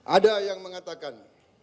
ada yang mengatakan